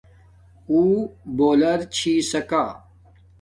اُݸ بݳݸلر چھݵسَکݳ.